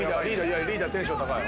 「リーダーテンション高い。